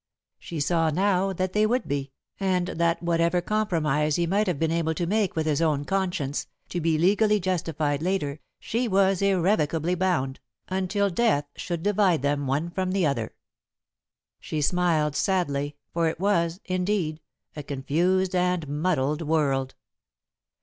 She saw, now, that they would be, and that whatever compromise he might have been able to make with his own conscience, to be legally justified later, she was irrevocably bound, until death should divide them one from the other. She smiled sadly, for it was, indeed, a confused and muddled world.